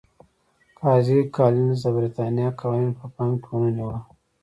قاضي کالینز د برېټانیا قوانین په پام کې ونه نیول.